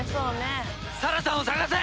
沙羅さんを捜せ！